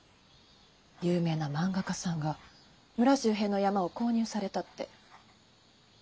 有名な漫画家さんが村周辺の山を購入されたって。